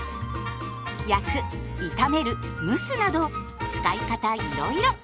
焼く炒める蒸すなど使い方いろいろ。